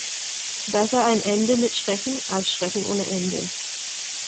Besser ein Ende mit Schrecken, als Schrecken ohne Ende.